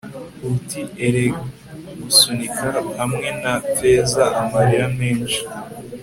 huti ere gusunika hamwe na feza amarira menshi